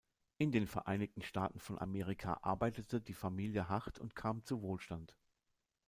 In den Vereinigten Staaten von Amerika arbeitete die Familie hart und kam zu Wohlstand.